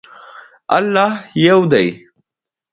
الله یو دی.